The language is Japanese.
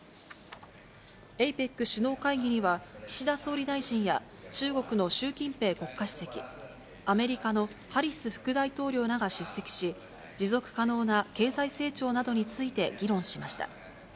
ＡＰＥＣ首脳会議には、岸田総理大臣や中国の習近平国家主席、アメリカのハリス副大統領らが出席し、持続可能な経済成長などについて議論しました。